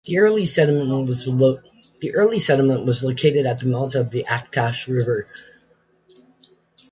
The early settlement was located at the mouth of the Aktash River.